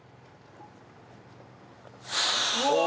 うわ！